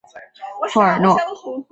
富尔诺。